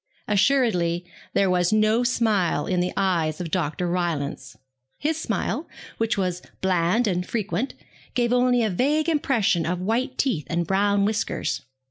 Assuredly there was no smile in the eyes of Dr. Rylance. His smile, which was bland and frequent, gave only a vague impression of white teeth and brown whiskers.